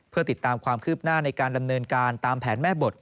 เพื่อติดตามความคืบหน้าในการดำเนินการตามแผนแม่บท